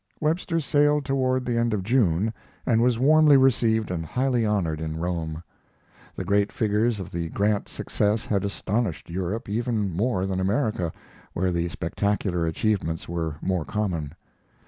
Webster sailed toward the end of June, and was warmly received and highly honored in Rome. The great figures of the Grant success had astonished Europe even more than America, where spectacular achievements were more common.